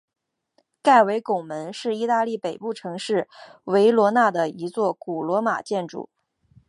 盖维拱门是意大利北部城市维罗纳的一座古罗马建筑。